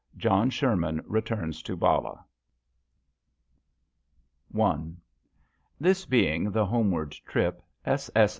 JOHN SHERMAN RETURNS TO BALLAH. I. HIS being the homeward trip, SS.